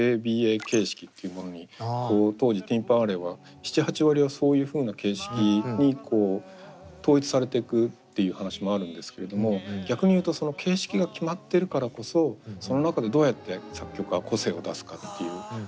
ＡＡＢＡ形式っていうものに当時ティン・パン・アレーは７８割はそういうふうな形式に統一されてくっていう話もあるんですけれども逆に言うとその形式が決まってるからこそその中でどうやって作曲家が個性を出すかっていう。